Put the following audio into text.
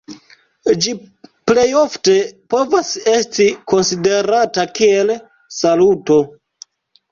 Ĝi plejofte povas esti konsiderata kiel saluto.